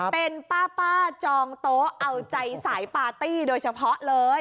เป็นป้าจองโต๊ะเอาใจสายปาร์ตี้โดยเฉพาะเลย